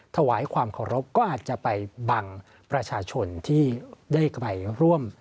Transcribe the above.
ถวายความเคารพก็อาจจะไปบังประชาชนที่ได้ไปร่วม